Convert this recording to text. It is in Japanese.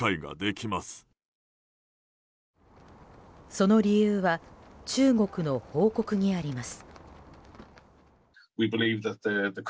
その理由は中国の報告にあります。